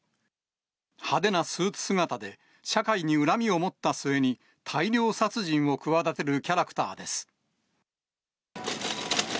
派手なスーツ姿で、社会に恨みを持った末に、大量殺人を企てるキャラクターです。